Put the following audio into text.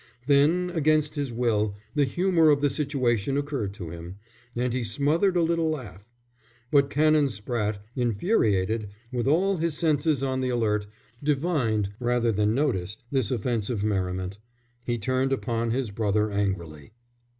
Then, against his will, the humour of the situation occurred to him, and he smothered a little laugh. But Canon Spratte, infuriated, with all his senses on the alert, divined rather than noticed this offensive merriment. He turned upon his brother angrily.